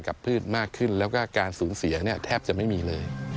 พืชมากขึ้นแล้วก็การสูญเสียเนี่ยแทบจะไม่มีเลย